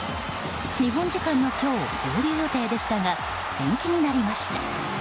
日本時間の今日合流予定でしたが延期になりました。